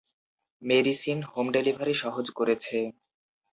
Medicine home delivery সহজ করেছে।